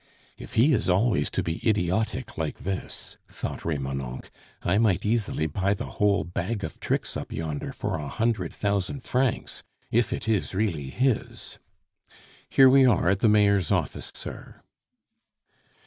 "If he is always to be idiotic like this," thought Remonencq, "I might easily buy the whole bag of tricks up yonder for a hundred thousand francs; if it is really his.... Here we are at the mayor's office, sir."